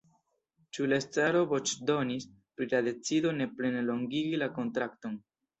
Ĉu la estraro voĉdonis pri la decido ne plene longigi la kontrakton?